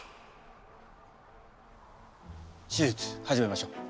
手術始めましょう。